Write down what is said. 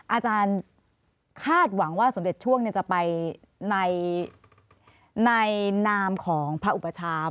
อาจารย์คาดหวังว่าสมเด็จช่วงจะไปในนามของพระอุปชาม